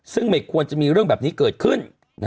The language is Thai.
ซึ่งไม่ควรจะมีเรื่องแบบนี้เกิดขึ้น